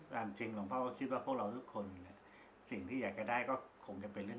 ความจริงหลวงพ่อก็คิดว่าพวกเราทุกคนสิ่งที่อยากจะได้ก็คงจะเป็นเรื่อง